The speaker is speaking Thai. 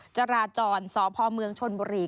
จราจรสพเมืองชนบุรี